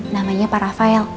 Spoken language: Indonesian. namanya pak rafael